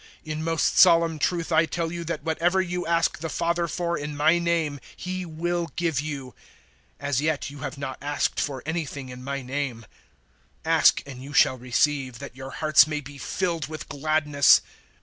"In most solemn truth I tell you that whatever you ask the Father for in my name He will give you. 016:024 As yet you have not asked for anything in my name: ask, and you shall receive, that your hearts may be filled with gladness.